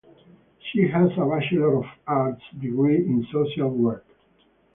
She has a Bachelor of Arts degree in social work.